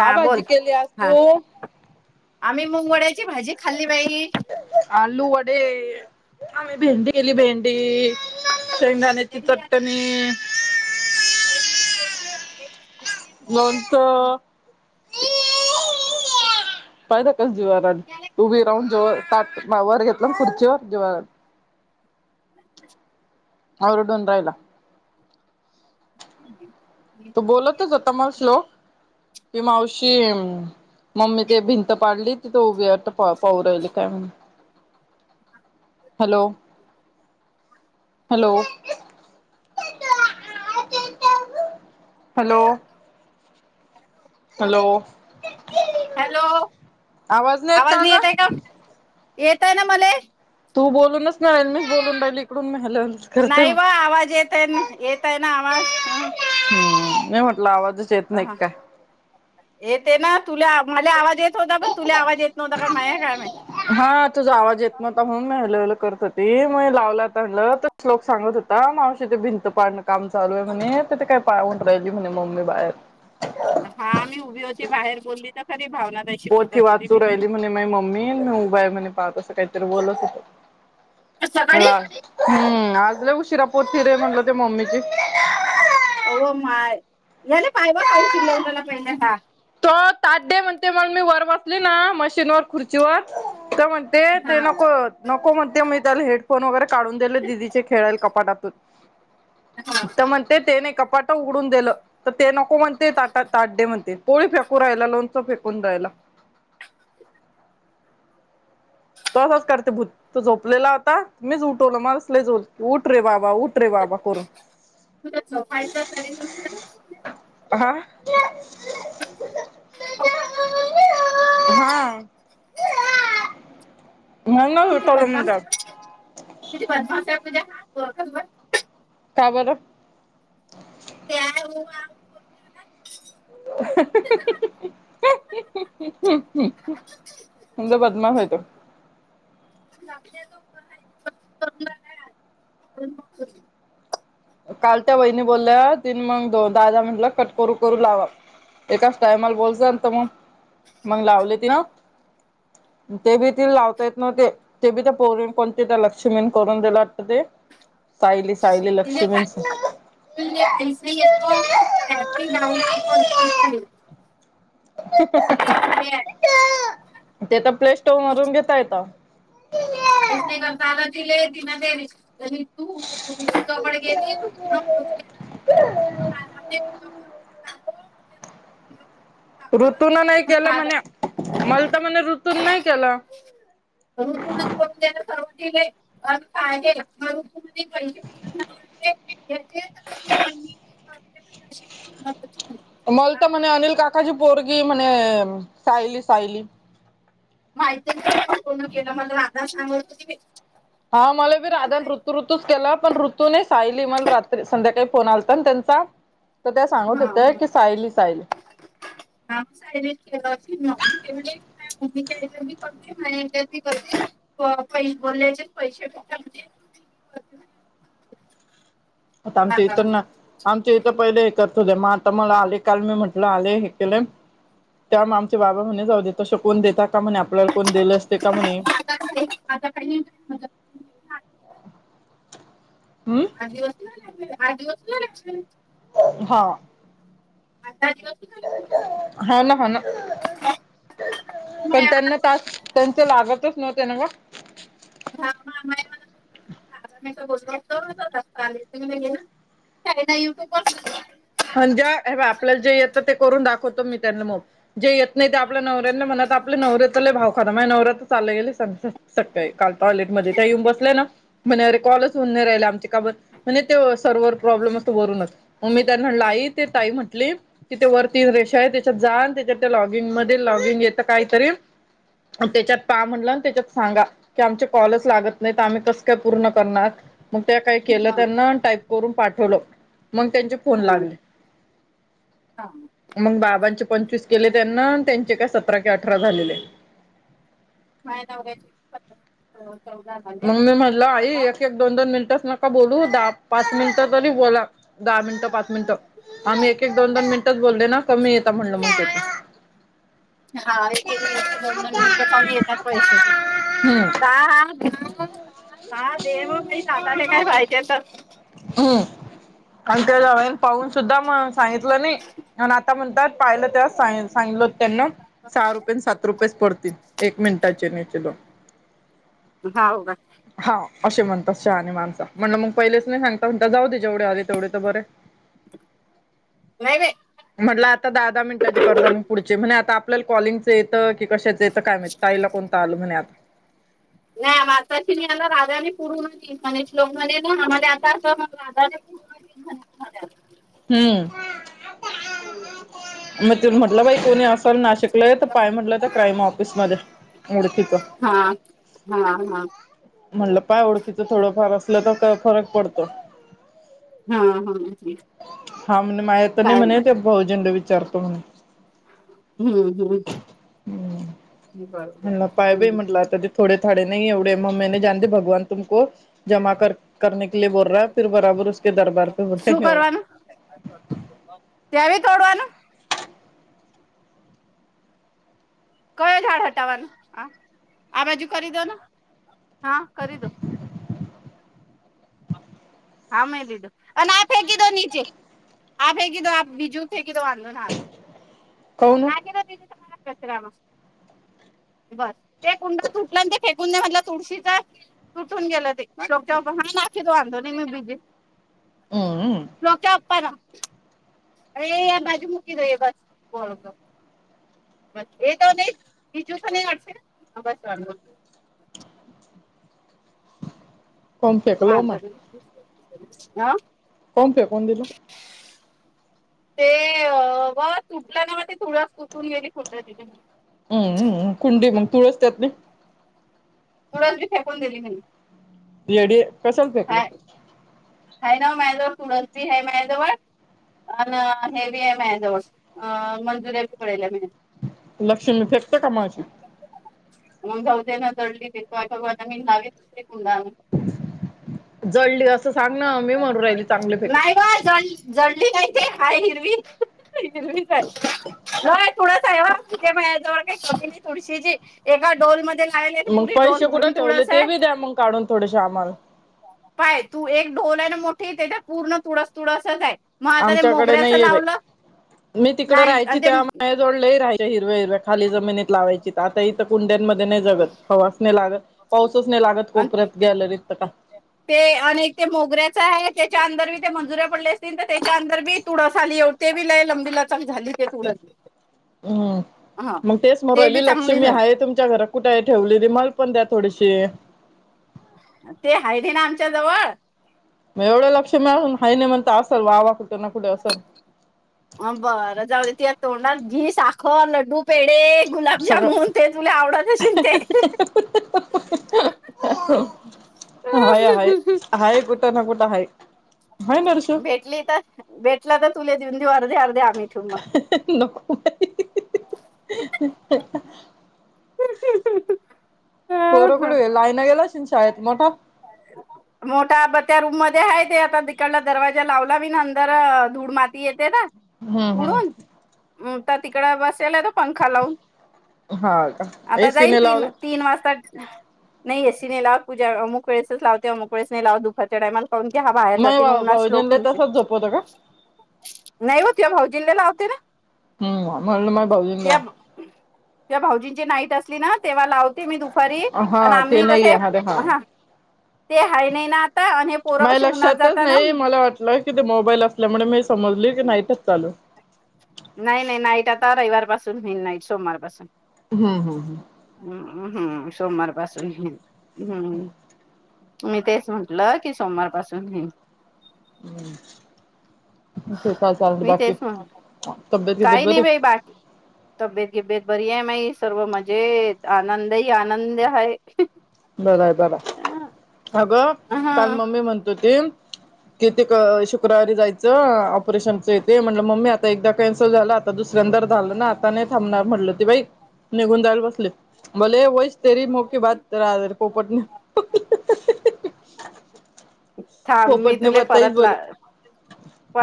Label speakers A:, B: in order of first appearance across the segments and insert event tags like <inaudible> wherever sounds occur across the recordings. A: हा
B: भाजी
A: बोल
B: केली आज
A: हा
B: तू?
A: आम्ही मुंगवड्याची भाजी खाल्ली पाहि
B: आलू वडे आम्ही भेंडी केली भेंडी शेंगदाण्याची चटणी
A: एनी कती
B: ननंत पाहि न कास जीवाराण उभी राहून जेवर ताट मा ववर घेतलं खुर्चीवर जीवारा अरुडोून रायईला
A: ह्
B: तो बोलतच होता मावस लोक कि मावशी मम् ममी ते भिंत पाडली तिथ उभे वाट पाऊ राहिले काय म्हण hello hello hello hello.
A: Hello आवाज नि येत आहे का येत आहे ना मला
B: तू बोलूनच नाही मी बोलून राहिली इकडून म्या
A: नाही वा आवाज येतय ना येतय ना आवाज ह
B: हम्म म म्हटला आवाज
A: अ हां येते ना तुला मला आवाज येत होता पण तुला आवाज येत नव्हता का माझ कायम
B: हा तुझा आवाज येत मता म्हणून म हलल करत होती मग लावला आण लोक सांगत होता मावशी ते भिंत पाडणं काम चालू आहे म्हणे तिे काय पावट राहिली म्हणे मम्मी बाहेर
A: हा मी उभी होती बाहेर बोलली तर खरी भावना त
B: पथी वाचू राहिली म्हणे माय मम्मी मी उभा आहे म्हणे पाहस काहीतरी बोलत होत
A: सकाळी
B: मला हम्म आज लई उशिरा पोथी रे म्हणल तुज्या मम्मीची
A: हो माय याने पाय ब खऊन शिरलवनाला पहिल्या हा <unintelligible>
B: तो ताड्डे म्हणते मग मी वर वाचली ना मशीनवरर खुर्चीवर तर म्हण ते
A: हा
B: ते नको नको म्हणते मि त्याला हेडफोन वगैरे काढून दिले दिदीचे खेळाल कपाटातून
A: हा
B: तर म्हणते तेने कपाट उघडून दिलं तर ते नको म्हणते त ताट डे म्हते पोळी फेकू रायला, लोणचं फेकून राहायला तो असाच करते भूत तो झोपलेला होता मीच उठवला मलाच <inaudible> उठरे बाबा उठरे बाबा करून
A: तुला झोपायचं तरी तुला
B: हा.
A: <inaudible>
B: हा
A: <inaudible>
B: म्हणूनच उठवलं मी त्याला
A: <inaudible>
B: का बरं?
A: <inaudible>
B: <inaudible> <inaudible> <inaudible>
A: <inaudible>
B: काल त्या वहिणी बोलल्या, तीन मग दादा म्हटलं कट करू करू लावा. एकाच टायमाला बोलच तर मग, मग लावली ती ना ते बी त लावतायेत नवते. ते बी तर पण <unintelligible> कोणती त्या लक्ष्मीण करून दिलं वाटतं ते सायली सायली लक्ष्मी शिभन सर <unintelligible> <inaudible> ते तर प्ले स्टोर मधुन घेता येत.
A: काहीच नाही करता आलं तिले तिला ते विचार <inaudible> <inaudible>
B: ऋतून नाही केलं म्हणे, मल तर म्हणे ऋतून नाही केलं.
A: ऋतन <inaudible>
B: मल तर म्हणे अनिल काकाजी पोरगी म्हणे सायली सायली.
A: माहिती पूर्ण केलं मला <unintelligible> सांगत
B: हा मला बी राध नी ऋतूच केला पण ऋतूननेे सायली मला रात्री संध्याकाळी फोन आलता आणि त्यांचा तर त्या सांगत होत्या की सायली सायली
A: <inaudible> <inaudible> पै बोलल्याचे पैशे <inaudible>
B: आता आमच्या इथं ना. आमच्या इथं पहिले हे करत होते, मग आता मला आले काल मी म्हट आले हे केलं. त्यामुळे आमचे बाबा म्हणे जाऊ दे तसं कोण देताात का म्हणे आपल्याला कोण दिल असते का म्हणे.
A: <inaudible>
B: हम!
A: आट दिवस होऊ <inaudible>
B: हा!
A: आता दिवस
B: हो ना, हो ना पण त्यांना टास्क त्यांच लागतच नव्हते ना मग
A: ह <unintelligible> मला <inaudible> <unintelligible> <unintelligible>
B: <inaudible> ह आपल्याला जे येतं ते करून दाखवतो मी त्यांना मग. जे येत नाही ते आपल्या नवऱ्याना म्हणत आपले नवरऱ्यातले भाव खा म्हजे नवर्यात्र चालले गेले स. सकाळी काल टॉयलेटमध्ये त्या येऊन बसलेय ना. म्हणे अरे कॉलच होऊन नाही राहिला आमचे का बरं म्हणजे ते सर्व्हर प्रॉब्लेम अस भरूनच मग मी. त्यांना लाई ते ताई म्हटली. तिथ वरती रेषा आहे त्याच्यात जा न त्याच्यात त्या लॉगिंग मध्ये लॉगिंग येतं काहीतरी त्याच्यात पा म्हणला आणि त्याच्यात सांगा की आमचे कॉलच लागत नाही तर आम्ही कसं काय पूर्ण करणार मग त्या काही केलं त्यांना टाईप करून पाठवलं मग त्यांची कोण लागले मग बाबांचे पंचवीस केले त्यांना त्यांचे काय सतरा कि अठरा झालेले
A: नवऱ्याचे एक पंधरा हो चौदा
B: म्हणून मी म्हटलं आई एके क द दोन मिनट च नका बोलू दाह पाच मिनिट तरी बोला दहा मिनट पाच मिनिटं आम्ही एक एक दोन दोन मिनिटच बोलले ना कमी येत म्हणल मग
A: हा एक एक मिनिटे दोन दोन मिनिटे कमी येतात पैसे
B: हम्म.
A: का हा ह देव बाई साताले काय पाहिती तर
B: हम्म आणि त्याजवळ पाहून सुद्धा म सांगितलं नाही म्ह आता म्हणतात पाहिलं त्या सांगलं होत त्यांना. सहा रुपये सात रुपयेच पडतील एक मिनिटाचे <inaudible>
A: हाव का
B: हा असे म्हणतात शहानी माणसं म्हण मग पहिलेच नाही सांगं म्हणता जाऊ दे जेवढे आले तेवढे तर बरे
A: नाही
B: म्हटलं आता दहा दहा मिनटाचे कर्जा मग पुढचे म्हण आता आपल्याला कॉलिंगच येतं की कशाच येतं काय माहित ताईला कोणता आलो म्हणे आता
A: नाही मासा शला राजाने पुढून णे श्लक म्हणे ना आम्हाला आता अस म
B: हम्म
A: हम्
B: म तु म्हटला भाई कोणी सर नाशिकला आहे तर पाय म्हटलं तर क्राईम ऑफिसमध्ये ध्येढ तथ
A: हा हा हा
B: म्हणलं पाय ओळखकीच थोडं फार असलं तर फरक पडतो
A: हा हा ह
B: हा म्हण माया त नाही म्हणे ते भाऊजी ना विचारतो म्हणे
A: हम्म हम्म बरोबर
B: हला पाय बाई
A: हम्म
B: म्हटलं आता थोडे थोडे नाही एवढे मम्मीे जाणते भगवान तुमको जमा कर करने के बोल रहा फि बरोबरे दरबार पे बोल
A: त्यावी तोडवान कय झााड हटावान ह आ बाजू कर द ना हा कर दो हां म लो आणि आप फे क दो नीचेे आप फे क दो आप बिजू ठे क तो वाांधलो ना र
B: काऊन
A: ना कि बर ते कुंडटल्या पु्य म्हधलं तुळशीच तुटून गेलं ते शोक हा ना तो आांधली मी बिजी
B: हम्म
A: लोक्या आपला अरे आ बाजू मुक देऊे बस को बस ए त नाही बिजूस नाही वाट बस वा
B: कोम
A: हां
B: फेकलो मा
A: ब हा
B: कोण पि कोण दिला
A: <unintelligible> ते ब तुटलं ना म ती तथुळस तटून गेली खुट तिथ
B: हम्म कुंडी मग तुळसतत नाही
A: मुडंी फेकून दिली म्हणली
B: डी कशाला फेकलं
A: है ना मॅजवळ सुरस बी है मॅजवळ अ हे बी आहे मा जवळ मंजुर्याी पल्या आहे म
B: लक्ष्मी फेकतट माझ
A: मग गौद्यान दळली तेवायगवाता मी लावे दुसरी कुंडान
B: जळली असं सांग ना मी म्हणून राहिली चांगली फेक
A: नाही ग जड जडली नाहीती हाय हिरवी हिरवी काय थोड आहे या जवळ काही कमी आहे तुळशीची एका डोलमध्येध्ये लाले
B: मग
A: पुरी डोल
B: पैसे कुठे
A: भरून
B: ठेवले
A: तुडस
B: ते
A: आहे
B: बी द्या मग काढून थोडेसे आम्हाला
A: पाय तू एक ढोल आहे ना मोठीे तेच्या पूर्ण तुडस तथडसच आहे मग आता ते
B: आमच्याकडे
A: मोगऱ्याचं
B: नाही आहे बा
A: लावलं
B: मी तिकड
A: नाही
B: राहायची
A: आणि ते
B: तेव्हा मा जोड राहाय हिरव्या हिर्या खाली जमिनीत लावायची तर आता इथं कुंड्यांमध्ये नाही जगत हवाच नाही लागत पाऊसच नाही लागत
A: अन
B: कोपऱ्यात गॅलरीत तर का
A: ते अनेक ते मोगऱ्याच आहे त्याच्या अंदर बी ते मंजुरे पडले असतील तर त्याच्या अंदर बी तुडसाली एव ते वि लाय लंबीला चलक झाली ते त उर
B: हम् मग तेच
A: ते
B: मोरली
A: बी चांगली
B: लक्ष्मी
A: झाली
B: आहे तुमच्या घरा कुठही ठेवले त मल पण द्या थोडीशी
A: ते हाड आहे ना आमच्या जवळ
B: मग एवढं लक्ष मिळाून हा नाही म्हणत असल वा वा कुठे ना कुठे असेल
A: अ बरं जाऊ देेति या तोंडाात घी साखर लड्डू पेडे गुलाबजामन
B: सगळं
A: ते तुला आवडतशल ते
B: हय आहेय आहेाय गुठ नाकुठ आहेाय
A: भेटली तर भेटला तर तुला देऊन देऊ अर्धे अर्धे आ् मिठू मग
B: नको
A: मग
B: ह तो
A: हं
B: रकड लायन गेला शिन शाळेत मोठा
A: अ मोठा ब त्या रूम मध्ये आहे ते आता तिकडला दरवाजा लावला मी ना अंदर धूड माती येते ना
B: हम्म हम्म
A: उडूनता तिकड बसायला आहे तो पंखा लावून
B: हा का
A: आता
B: एसी
A: जाईन
B: ने
A: तीन
B: लावला
A: तीन वाजता नाही लाव पूज्या अमुक वेळेस लावते अममुक वळेसने लाव दुपारच्या टायमाला ून की हा बाहेर
B: नाही
A: जाते
B: बा
A: उन्हा श्लोक
B: भाऊजींला
A: दिवसे
B: तसच झोपवत का
A: नाही होतवा भाऊ जि्याला आवते ना
B: हम् आ म्हलं मा भाऊजन का
A: ज्हा भाऊजींची नाईट असली ना तेव्हा लावते मी दुपारी आणि
B: हा ते
A: आम्ही
B: नाही
A: कसे
B: आहे हा रे हा
A: हा ते हय नाही ना आता आणि पोरं
B: माझ
A: कशी उन्हात
B: लक्षातच
A: जाता ना
B: नाही मला वाटलं कि ते मोबाईल असल्यामुळे मी समजली की नाहीटच चालू
A: नाही नाही नाईट आता रविवार पासून होईल नाईट सोमवार पाासून
B: हम्म हम् हम्
A: हम्मम्म हम्म सोमवार पासून हम्म मी तेच म्हटलं की सोमवारपासून येईन
B: हम्म ते ल
A: मी
B: बाकी
A: तेच म्हण
B: तब्येत बिब्येत
A: काही नाही
B: बरी
A: बाई बाकी तब्येत गिब्येत बरी आहे माई सर्व मजेत आनंद ह आनंद हा
B: बरंय बर अगं काल मम्मी म्हणतो त
A: ह
B: किती शुक्रवारी जायचं ऑपरेशनचं इथे म्हट मम्मी आता एकदा कॅन्सल झाला आता दुसऱ्यांदर झालं ना आता नाही थांबणार म्हटलं ते बाई निघून जायला बसले बलाले वईच तेरी मोक बाात तररा पोपटने
A: थांब मी
B: पोपटने
A: तुले
B: बताईच
A: परत ला
B: बोले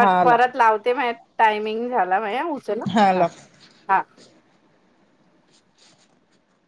B: हा ला
A: लावते म्ह टायमिंग झाला मा उचला हा हा